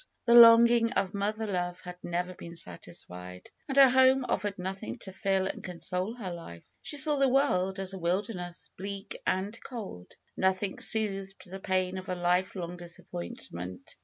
The longing of mother love had never been satisfied, and her home offered nothing to fill and console her life. She saw the world as a wilderness, bleak and cold. Nothing soothed the pain of a lifelong disappointment.